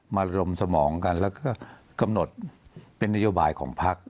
มารมสมองกันค่ะกำหนดเป็นนโยบายของพักธ์